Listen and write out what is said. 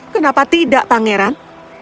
kenapa tidak pangeran